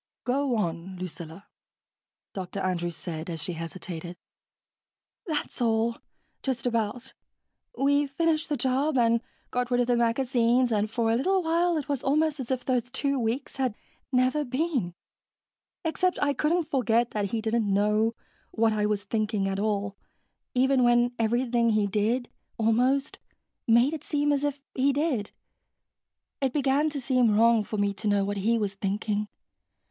"Go on, Lucilla," Dr. Andrews said, as she hesitated. "That's all, just about. We finished the job and got rid of the magazines and for a little while it was almost as if those two weeks had never been, except I couldn't forget that he didn't know what I was thinking at all, even when everything he did, almost, made it seem as if he did. It began to seem wrong for me to know what he was thinking.